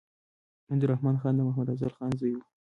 عبدالرحمن خان د محمد افضل خان زوی وو.